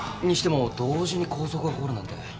にしても同時に抗争が起こるなんて。